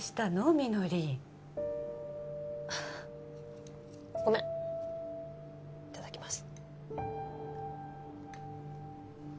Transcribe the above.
実梨あごめんいただきます